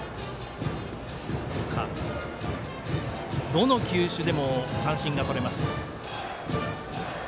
どの球種でも三振がとれます。